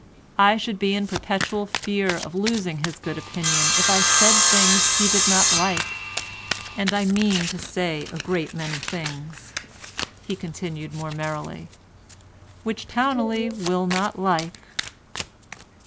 I should be in perpetual fear of losing his good opinion if I said things he did not like, and I mean to say a great many things," he continued more merrily, "which Towneley will not like."